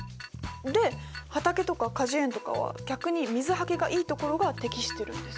で畑とか果樹園とかは逆に水はけがいいところが適してるんです。